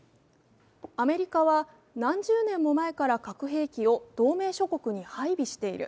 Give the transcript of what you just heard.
アメリカは何十年も前から核兵器を同盟諸国に配備している。